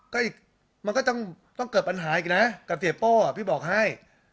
ก็อีกมันก็ต้องเกิดปัญหาอีกนะกับเสียโป้พี่บอกให้